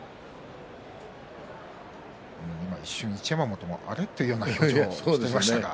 今、一瞬、一山本もあれ？という表情をしていました。